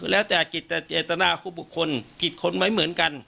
แล้วแต่กฤตนาคุบุคคลกฤตคนไม่เหมือนกัน